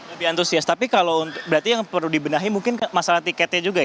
lebih antusias tapi kalau berarti yang perlu dibenahi mungkin masalah tiketnya juga ya